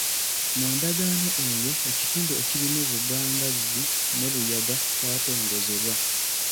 Mu Ndagaano eyo, ekitundu ekirimu Bugangazzi ne Buyaga kyatongozebwa.